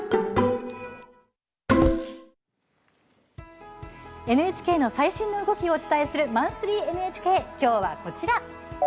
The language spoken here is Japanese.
続いてはＮＨＫの最新の動きをお伝えする「マンスリーＮＨＫ」きょうはこちら。